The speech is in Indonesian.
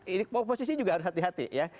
ini oposisi juga harus hati hati ya